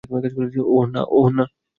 ওহ না, ওহ না!